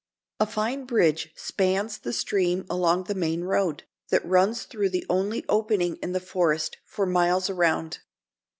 A fine bridge spans the stream along the main road, that runs through the only opening in the forest for miles around.